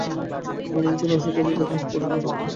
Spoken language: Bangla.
মনের ভিতরের আসল কথাটা এখনো কেহ পাড়িতে সাহস করিল না।